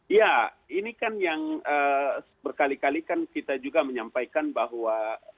iya ini kan yang berkali kali kan kita juga menyampaikan bahwa